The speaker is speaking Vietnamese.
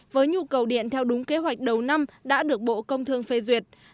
với nhu cầu điện theo đúng kế hoạch đầu năm đã được bộ công thương phê duyệt